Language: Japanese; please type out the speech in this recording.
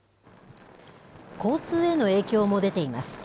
交通への影響も出ています。